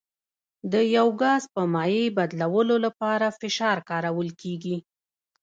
د یو ګاز په مایع بدلولو لپاره فشار کارول کیږي.